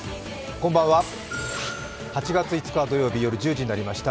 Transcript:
こんばんは、８月５日土曜日夜１０時になりました。